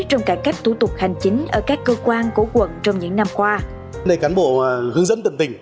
trong cải cách thủ tục hành chính ở các cơ quan của quận trong những năm qua